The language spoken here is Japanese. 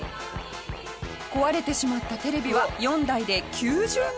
壊れてしまったテレビは４台で９０万円以上。